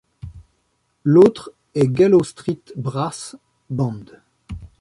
L'autre est Gallowstreet Brass Band.